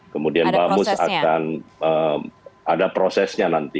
kemudian bamus akan ada prosesnya nanti